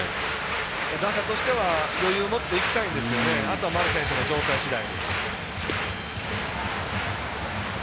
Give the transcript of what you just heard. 打者としては余裕を持っていきたいんですけどあとは丸選手の状態しだい。